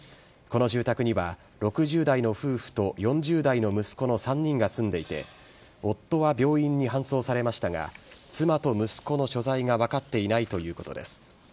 この住宅には６０代の夫婦と４０代の息子の３人が住んでいて夫は病院に搬送されましたが妻と息子の所在が分かっていないということです。